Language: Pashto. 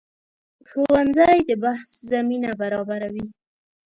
ښوونځی د بحث زمینه برابروي